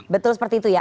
betul seperti itu ya